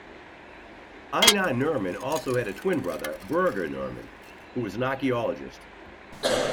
Einar Nerman also had a twin brother, Birger Nerman, who was an archeologist.